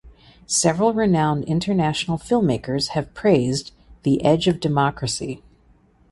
Several renowned international filmmakers have praised The Edge of Democracy.